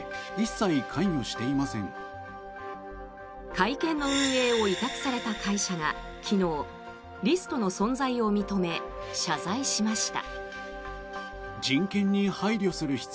会見の運営を委託された会社が昨日、リストの存在を認め謝罪しました。